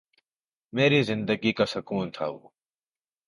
میری زندگی کا سکون تھا وہ